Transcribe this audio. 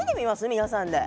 皆さんで。